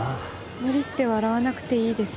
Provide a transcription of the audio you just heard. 無理して笑わなくていいです。